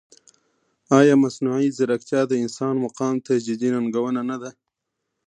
ایا مصنوعي ځیرکتیا د انسان مقام ته جدي ننګونه نه ده؟